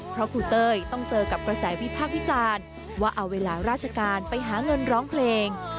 เพราะครูเต้ยต้องเจอกับกระแสวิพากษ์วิจารณ์ว่าเอาเวลาราชการไปหาเงินร้องเพลง